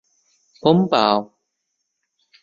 พ้มป่าว